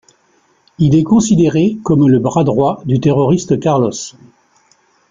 Il est considéré comme le bras droit du terroriste Carlos.